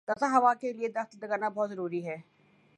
تازہ ہوا کے لیے درخت لگانا بہت ضروری ہے